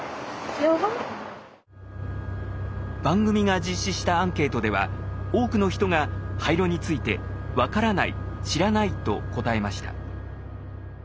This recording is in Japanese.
番組が実施したアンケートでは多くの人が廃炉について「分からない」「知らない」と答えました。